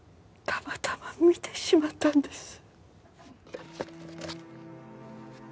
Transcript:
たまたま見てしまったんです。